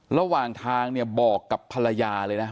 ระหว่างทางเนี่ยบอกกับภรรยาเลยนะ